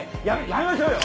やめましょうよ。